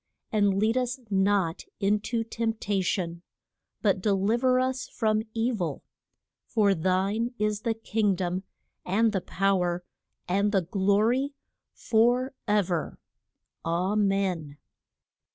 And lead us not in to tempt a tion, but del iv er us from e vil: For thine is the King dom, and the pow er, and the glo ry, for ever. _A men.